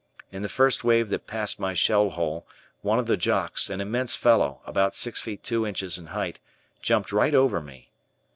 In the first wave that passed my shell hole, one of the "Jocks," an immense fellow, about six feet two inches in height, jumped right over me.